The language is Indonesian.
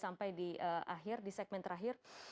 sampai di akhir di segmen terakhir